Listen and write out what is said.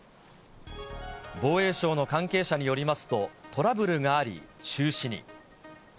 防衛省の関係者によりますと、トラブルがあり、中止に。